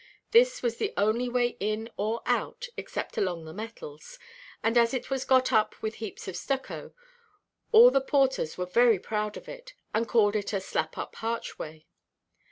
This was the only way in or out (except along "the metals"), and, as it was got up with heaps of stucco, all the porters were very proud of it, and called it a "slap–up harchway."